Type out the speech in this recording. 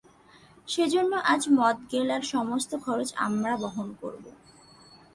সেজন্য আজ মদ গেলার সমস্ত খরচ আমরা বহন করবো!